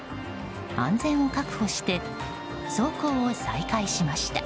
安全を確保して走行を再開しました。